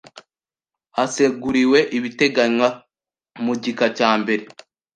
Haseguriwe ibiteganywa mu gika cya mbere